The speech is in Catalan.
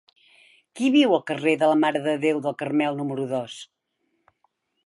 Qui viu al carrer de la Mare de Déu del Carmel número dos?